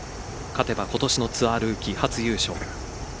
勝てば今年のツアールーキー初優勝。